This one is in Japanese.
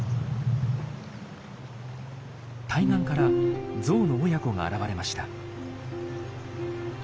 対岸からゾウの親子が現れました。